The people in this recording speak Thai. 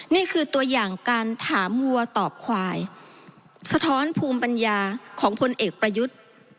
นี่คือตัวอย่างการถามวัวตอบควายสะท้อนภูมิปัญญาของพลเอกประยุทธ์